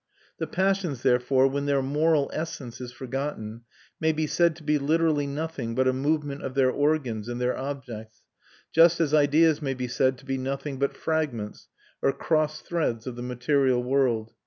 The passions, therefore, when their moral essence is forgotten, may be said to be literally nothing but a movement of their organs and their objects, just as ideas may be said to be nothing but fragments or cross threads of the material world.